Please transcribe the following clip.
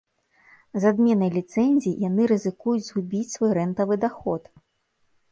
З адменай ліцэнзій яны рызыкуюць згубіць свой рэнтавы даход.